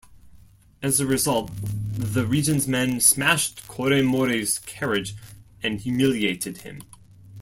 As a result, the Regent's men smashed Koremori's carriage and humiliated him.